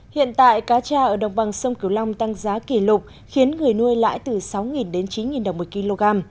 hiện tại cá cha ở đồng bằng sông cửu long tăng giá kỷ lục khiến người nuôi lãi từ sáu đến chín đồng một kg